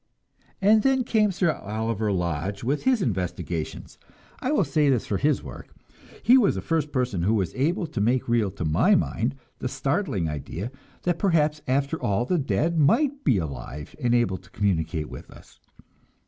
And then came Sir Oliver Lodge with his investigations. I will say this for his work he was the first person who was able to make real to my mind the startling idea that perhaps after all the dead might be alive and able to communicate with us.